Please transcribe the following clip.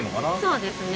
そうですね。